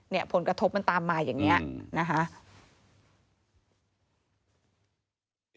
เนี่ยผลกระทบมันตามมาอย่างเนี้ยนะคะ